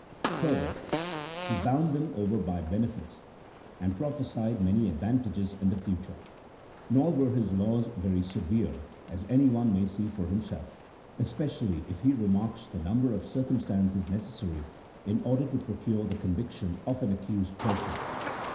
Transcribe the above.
Further, he bound them over by benefits, and prophesied many advan tages in the future ; nor were his laws very severe, as anyone may see for himself, especially if he remarks the number of circumstances necessary in order to procure the convic tion of an accused person.